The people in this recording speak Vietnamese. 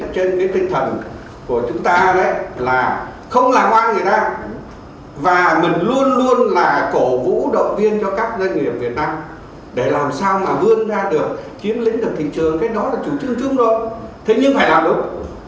trên cái tinh thần của chúng ta là không làm ăn việt nam và mình luôn luôn là cổ vũ động viên cho các doanh nghiệp việt nam để làm sao mà vươn ra được chiếm lính được thị trường cái đó là chủ trương chung đâu thế nhưng phải làm đúng